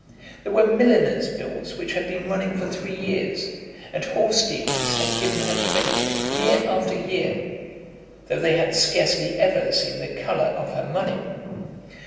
There were milliners' bills which had been running for three years, and horse dealers had given her credit year after year, though they had scarcely ever seen the colour of her money.